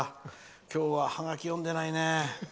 今日はハガキ読んでないね。